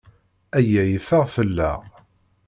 Aya yeffeɣ fell-aɣ.